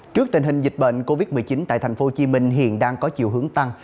trước tình hình dịch bệnh covid một mươi chín tại tp hcm hiện đang có chiều hướng tăng